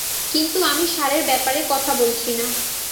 কিন্তু আমি ষাঁড়ের ব্যাপারে কথা বলছি না।